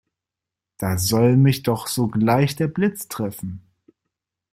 Da soll mich doch sogleich der Blitz treffen!